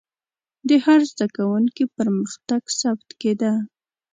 د هر زده کوونکي پرمختګ ثبت کېده.